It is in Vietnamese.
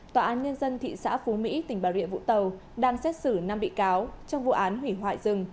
tòa án nhân dân thị xã phú mỹ tỉnh bà rịa vũng tàu đang xét xử năm bị cáo trong vụ án hủy hoại rừng